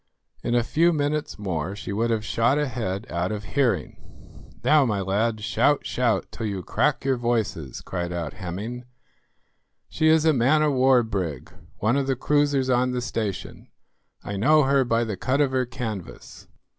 In a few minutes more she would have shot ahead out of hearing. "Now, my lads, shout, shout, till you crack your voices," cried out Hemming; "she is a man of war brig; one of the cruisers on the station. I know her by the cut of her canvas."